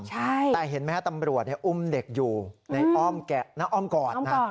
ใช่แต่เห็นไหมฮะตำรวจเนี่ยอุ้มเด็กอยู่ในอ้อมแกะอ้อมกอดอ้อมกอดค่ะ